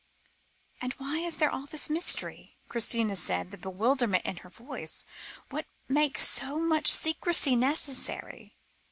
"And why is there all this mystery?" Christina said, with bewilderment in her voice; "what makes so much secrecy necessary?"